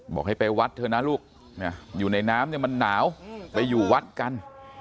บอกให้ไปวัดเถอะนะลูกอยู่ในน้ำเนี่ยมันหนาวไปอยู่วัดกัน